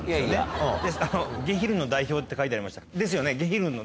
ゲヒルンの代表って書いてありましたですよね？